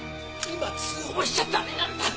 今通報しちゃ駄目なんだ！